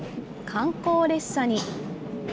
観光列車に。